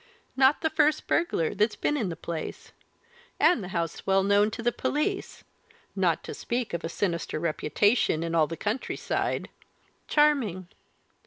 Not the first burglar that's been in the place! And the house well known to the police not to speak of a sinister reputation in all the country side! Charming!